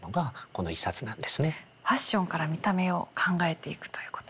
ファッションから見た目を考えていくということで。